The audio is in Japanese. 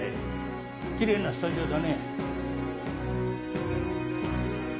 きれいなスタジオだね。